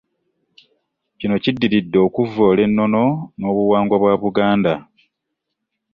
Kino kiddiridde okuvvoola ennono n'obuwangwa bwa Buganda.